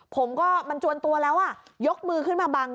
ผมก็มันจวนตัวแล้วอ่ะยกมือขึ้นมาบัง